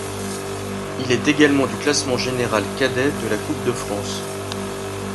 Il est également du classement général cadet de la coupe de France.